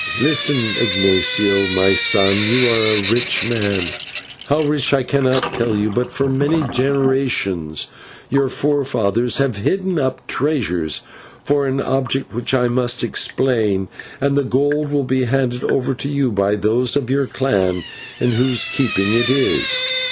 "Listen, Ignatio, my son, you are a rich man; how rich I cannot tell you, but for many generations your forefathers have hidden up treasure for an object which I must explain, and the gold will be handed over to you by those of your clan in whose keeping it is.